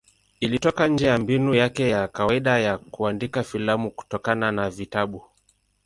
Ilitoka nje ya mbinu yake ya kawaida ya kuandika filamu kutokana na vitabu.